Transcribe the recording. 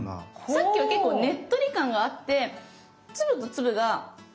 さっきは結構ねっとり感があって粒と粒がくっついてる感じ？